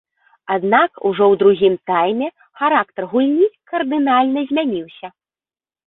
Аднак ужо ў другім тайме характар гульні кардынальна змяніўся.